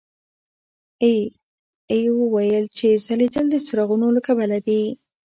اې ای وویل چې ځلېدل د څراغونو له کبله دي.